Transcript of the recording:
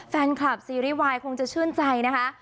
แฟนคลับซีรีส์วายคงจะชื่นใจนะคะ